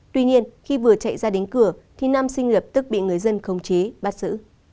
tuy nhiên khi vừa chạy ra đến cửa thì nam sinh lập tức bị người dân khống chế bắt xử